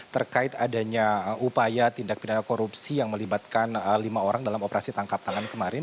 terkait adanya upaya tindak pidana korupsi yang melibatkan lima orang dalam operasi tangkap tangan kemarin